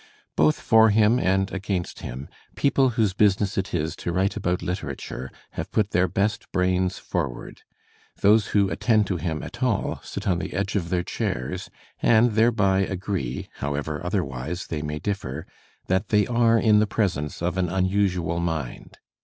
Both for him and against him, people whose busi ness it is to write about literature, have put their best brains forward; those who attend to him at all sit on the edge of their chairs, and thereby agree, however otherwise they may differ, that they are in the presence of an unusual mind.